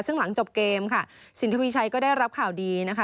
ซึ่งหลังจบเกมค่ะสินทวีชัยก็ได้รับข่าวดีนะคะ